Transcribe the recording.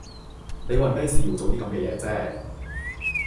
你為咩事要做啲咁嘅嘢啫